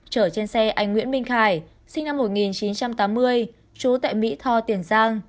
chở trên xe anh nguyễn minh khải sinh năm một nghìn chín trăm tám mươi trú tại mỹ tho tiền giang